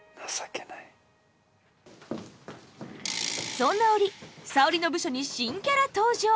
そんな折沙織の部署に新キャラ登場！